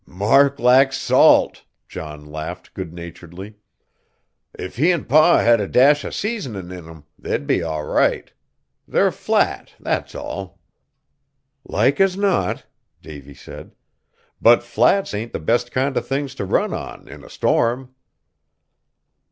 "Mark lacks salt!" John laughed good naturedly. "If he an' Pa had a dash o' seasonin' in 'em, they'd be all right; they're flat, that's all." "Like as not!" Davy said; "but flats ain't the best kind o' things t' run on, in a storm."